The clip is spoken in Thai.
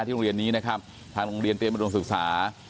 โรงเรียนนี้นะครับทางโรงเรียนเตรียมอุดมศึกษา